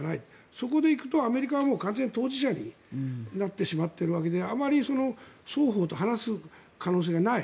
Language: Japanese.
そこで行くとアメリカは完全に当事者になってしまっているわけであまり双方と話す可能性がない。